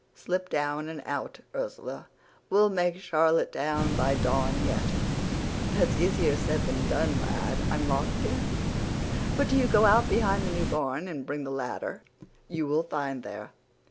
Slip down and out, Ursula. We'll make Charlottetown by dawn yet.' "'That's easier said than done, lad. I'm locked in. But do you go out behind the new barn and bring the ladder you will find there.